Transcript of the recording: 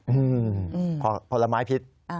อืมผลไม้พิษ